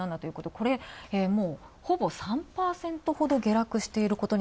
これ、ほぼ３％ほど下落していると。